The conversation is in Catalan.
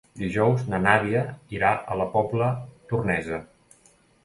Dijous na Nàdia irà a la Pobla Tornesa.